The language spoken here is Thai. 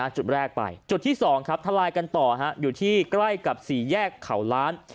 จุดแรกไปจุดที่๒ครับทะลายกันต่ออยู่ที่ใกล้กับสี่แยกเขาล้าน